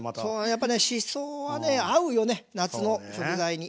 やっぱねしそは合うよね夏の食材に。